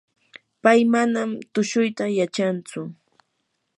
pay manam tushuyta yachantsu.